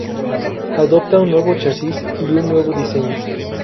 Adopta un nuevo chasis y un nuevo diseño.